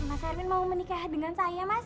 mas erwin mau menikah dengan saya mas